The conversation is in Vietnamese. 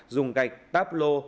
dùng gạch táp lô